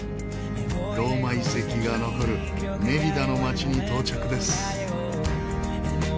ローマ遺跡が残るメリダの街に到着です。